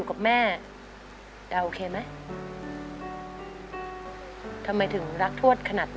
ทวดแล้วเขาก็กลับพอขึ้นตั้งแต่เด็ก